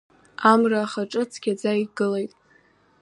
Амра ахаҿы цқьаӡа игылеит.